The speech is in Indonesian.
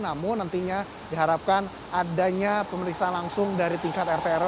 namun nantinya diharapkan adanya pemeriksaan langsung dari tingkat rtr